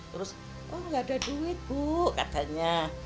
terus oh nggak ada duit bu katanya